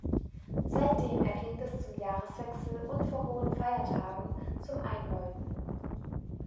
Seitdem erklingt es zum Jahreswechsel und vor hohen Feiertagen zum Einläuten.